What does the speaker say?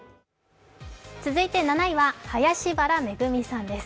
続いて７位は林原めぐみさんです。